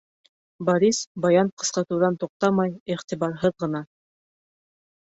Борис баян ҡысҡыртыуҙан туҡтамай, иғтибарһыҙ ғына: